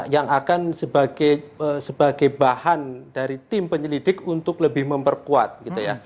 yang akan sebagai bahan dari tim penyelidik untuk lebih memperkuat gitu ya